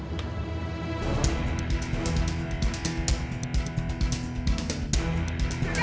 kami bekerja di rumah saja